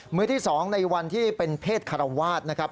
มือที่๒ในวันที่เป็นเพศคารวาสนะครับ